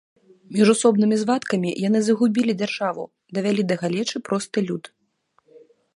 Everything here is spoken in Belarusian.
Міжусобнымі звадкамі яны загубілі дзяржаву, давялі да галечы просты люд.